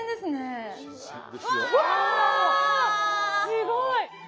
すごい。